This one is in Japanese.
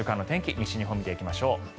西日本、見ていきましょう。